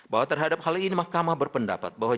bahwa terhadap hal ini mahkamah berpendapat bahwa